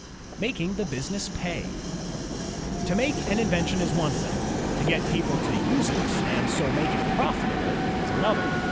Making the Business Pay To make an invention is one thing. To get people to use it and so make it profitable is another.